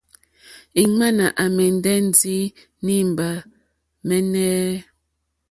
Ìŋmánà à mɛ̀ndɛ́ ndí nìbâ mɛ́ɛ́nɛ́.